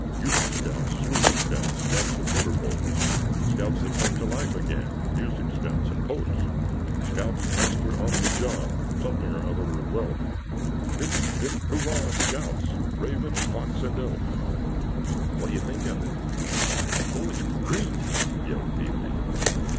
"Youth scouts, sleuth scouts, Scouts with motor boats, Scouts that come to life again, Music scouts and potes. "Scoutmaster on the job, Something or other—welk, Hip, hip, hurrah, scouts— Raven, Fox and Elk! "What do you think of it?" "Of, it's great!" yelled Pee wee.